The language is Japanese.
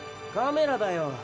カメラだよ。